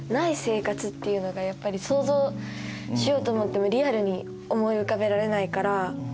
い生活っていうのがやっぱり想像しようと思ってもリアルに思い浮かべられないから。